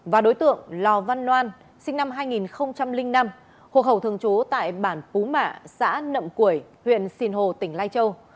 và đối tượng lò văn noan sinh năm hai nghìn năm hộ khẩu thường trú tại bản phú mạ xã nậm quỷ huyện sìn hồ tỉnh lai châu